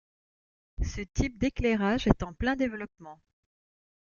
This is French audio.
Ce type d'éclairage est en plein développement.